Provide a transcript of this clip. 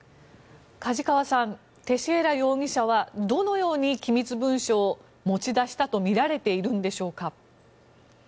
梶川さんテシェイラ容疑者はどのように機密文書を持ち出したとみられているんでしょうか。